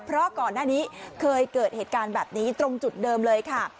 เพราะก่อนหน้านี้เคยเกิดเหตุการณ์แบบนี้ตรงจุดเดิมเลยค่ะ